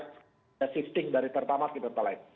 dan shifting dari pertamaks ke pertalat